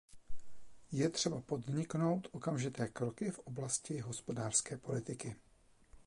Je třeba podniknout okamžité kroky v oblasti hospodářské politiky.